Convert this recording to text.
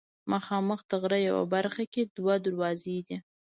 مخامخ د غره یوه برخه کې دوه دروازې دي.